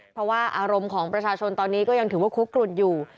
เพราะว่าอารมณ์ของประชาชนตอนนี้ก็ยังถือว่าคุกกลุ่นอยู่